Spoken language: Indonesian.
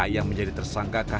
yang menjadi tersangka tersebut